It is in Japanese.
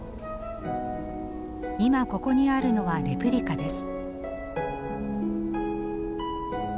今ここにあるのはレプリカです。